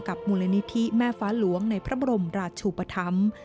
มูลนิธิแม่ฟ้าหลวงในพระบรมราชุปธรรม